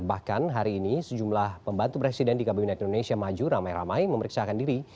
bahkan hari ini sejumlah pembantu presiden di kabinet indonesia maju ramai ramai memeriksakan diri